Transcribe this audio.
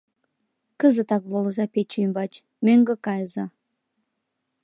Кызытак волыза пече ӱмбач, мӧҥгӧ кайыза!